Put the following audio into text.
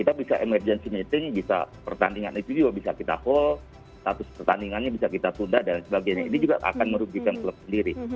dan bagian meeting bisa pertandingan itu juga bisa kita hold status pertandingannya bisa kita tunda dan sebagainya ini juga akan merugikan klub sendiri